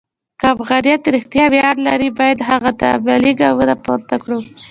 که افغانیت رښتیا ویاړ لري، باید هغه ته عملي ګامونه پورته کړو.